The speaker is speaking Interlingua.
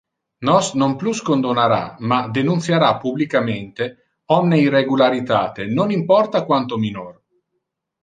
Nos non plus condonara, ma denunciara publicamente omne irregularitate, non importa quanto minor.